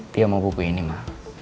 dia mau buku ini mah